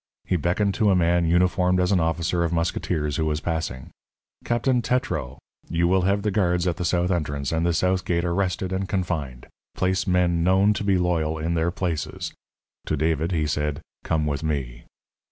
He beckoned to a man uniformed as an officer of musketeers, who was passing. "Captain Tetreau, you will have the guards at the south entrance and the south gate arrested and confined. Place men known to be loyal in their places." To David he said: "Come with me."